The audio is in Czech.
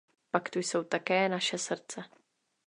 Pak tu jsou také naše srdce.